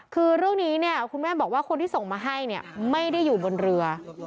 คือเรื่องนี้เนี่ยคุณแม่บอกว่าคนที่ส่งมาให้เนี่ยไม่ได้อยู่บนเรือ